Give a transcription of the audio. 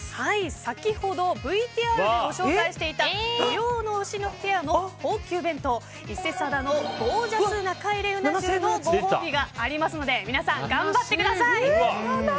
先ほどＶＴＲでご紹介していた土用の丑の日フェアの高級弁当伊勢定のゴージャス中入れうな重のご褒美がありますので皆さん、頑張ってください。